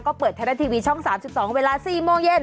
ก็เปิดไทยรัฐทีวีช่อง๓๒เวลา๔โมงเย็น